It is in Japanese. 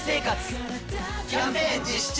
キャンペーン実施中！